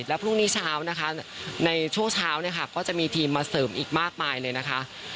แล้วพรุ่งนี้เช้านะคะในช่วงเช้าเนี่ยค่ะก็จะมีทีมมาเสริมอีกมากมายเลยนะคะ